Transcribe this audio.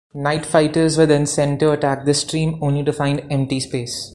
Night fighters were then sent to attack this stream, only to find empty space.